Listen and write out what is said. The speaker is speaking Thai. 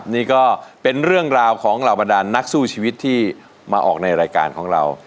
นี่ก็เป็นเรื่องราวของเหล่าบรรดานนักสู้ชีวิตที่มาออกในรายการของเรา